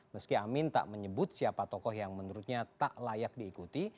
meski amin tak menyebut siapa tokoh yang menurutnya tak layak diikuti